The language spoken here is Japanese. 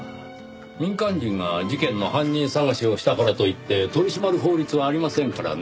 民間人が事件の犯人捜しをしたからといって取り締まる法律はありませんからね。